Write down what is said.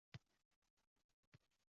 Yomon bo’lsang o’lmasding, o’g’lim…